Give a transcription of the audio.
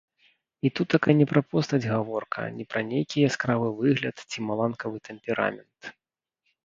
І тутака не пра постаць гаворка, не пра нейкі яскравы выгляд ці маланкавы тэмперамент.